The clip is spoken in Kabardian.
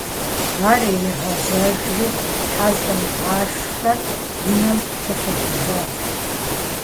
Ар иригъэжьэжри, ХьэщӀэмыгъашхэ унэм щӀэлъэдэжащ.